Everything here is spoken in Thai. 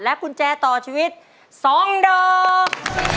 กุญแจต่อชีวิต๒ดอก